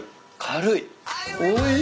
軽い。